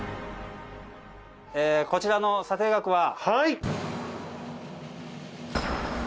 こちらの査定額は。